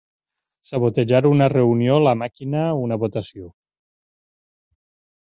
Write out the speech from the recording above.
Sabotejar una reunió, la màquina, una votació.